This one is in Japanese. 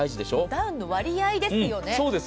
ダウンの割合ですよね。